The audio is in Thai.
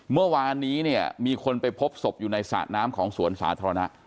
เมื่อวานนี้เนี่ยมีคนไปพบศพอยู่ในสระน้ำของสวนสาธารณะ